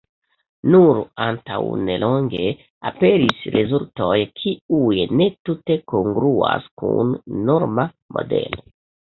Nur antaŭnelonge aperis rezultoj kiuj ne tute kongruas kun norma modelo.